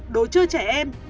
đồ chơi trẻ em